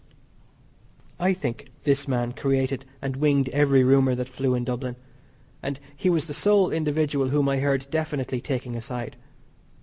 I think this man created and winged every rumour that flew in Dublin, and he was the sole individual whom I heard definitely taking a side.